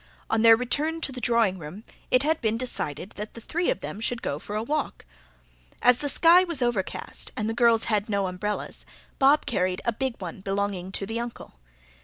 On their return to the drawing room it had been decided that the three of them should go for a walk. As the sky was overcast and the girls had no umbrellas, Bob carried a big one belonging to the Uncle.